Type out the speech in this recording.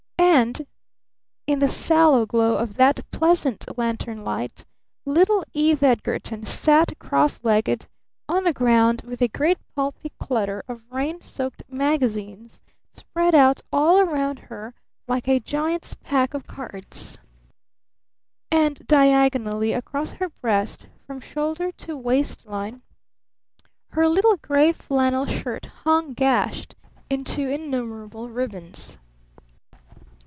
And in the sallow glow of that pleasant lantern light little Eve Edgarton sat cross legged on the ground with a great pulpy clutter of rain soaked magazines spread out all around her like a giant's pack of cards. And diagonally across her breast from shoulder to waistline her little gray flannel shirt hung gashed into innumerable ribbons.